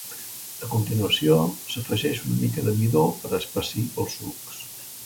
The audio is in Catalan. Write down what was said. A continuació, s'afegeix una mica de midó per espessir els sucs.